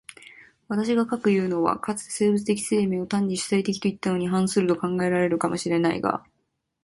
私が斯くいうのは、かつて生物的生命を単に主体的といったのに反すると考えられるかも知れないが、